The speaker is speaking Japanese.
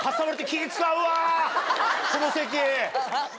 この席！